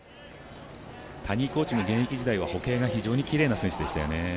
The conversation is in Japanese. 谷井コーチも現役時代は歩型が非常にきれいな選手でしたよね。